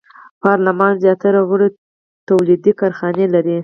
پارلمان زیاتره غړو تولیدي کارخانې لرلې.